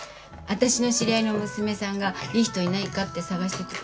あたしの知り合いの娘さんがいい人いないかって探してて。